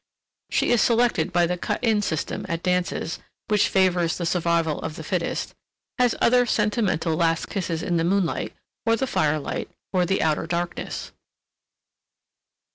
(she is selected by the cut in system at dances, which favors the survival of the fittest) has other sentimental last kisses in the moonlight, or the firelight, or the outer darkness.